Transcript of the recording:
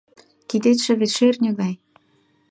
Кидетше вет шӧртньӧ гай.